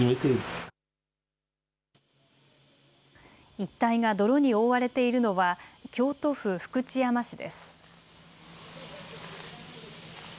一帯が泥に覆われているのは京都府福知山市です。